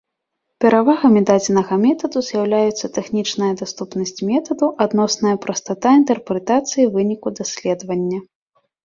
Перавагамі дадзенага метаду з'яўляюцца тэхнічная даступнасць метаду, адносная прастата інтэрпрэтацыі вынікаў даследавання.